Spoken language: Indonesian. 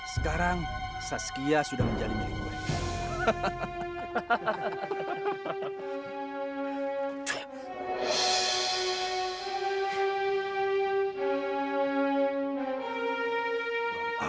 sekarang saskia sudah menjadi milik